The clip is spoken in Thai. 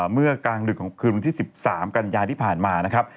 เมื่อกลางดึกของคืนวันที่๑๓กันยาที่ผ่านมานะครับ